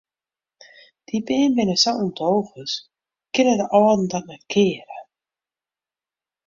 Dy bern binne sa ûndogens, kinne de âlden dat net keare?